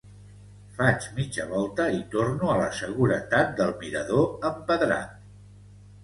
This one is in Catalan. Faig mitja volta i torno a la seguretat del mirador empedrat.